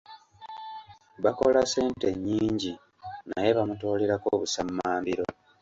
Bakola ssente nnyingi naye bamutoolerako busammambiro.